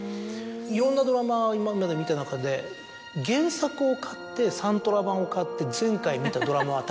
いろんなドラマ今まで見た中で原作を買ってサントラ盤を買って。